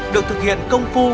được thực hiện công phu